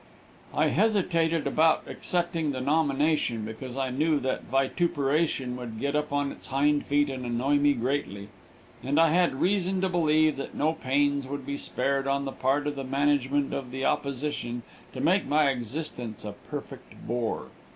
I hesitated about accepting the nomination because I knew that Vituperation would get up on its hind feet and annoy me greatly, and I had reason to believe that no pains would be spared on the part of the management of the opposition to make my existence a perfect bore.